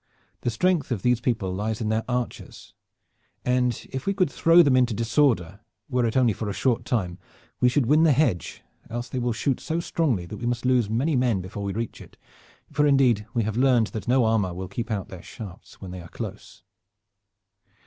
The strength of these people lies in their archers, and if we could throw them into disorder, were it only for a short time, we should win the hedge; else they will shoot so strongly that we must lose many men before we reach it, for indeed we have learned that no armor will keep out their shafts when they are close."